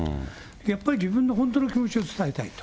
やっぱり自分の本当の気持ちを伝えたいと。